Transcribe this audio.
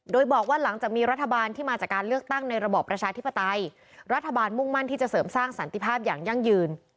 โดยบอกว่าหลังจากมีรัฐบาลที่มาจากการเลือกตั้งในระบอบประชาธิปไตยรัฐบาลมุ่งมั่นที่จะเสริมสร้างสันติภาพอย่างยั่งยืน